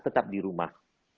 tetap di rumah